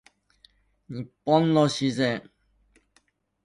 日本の自然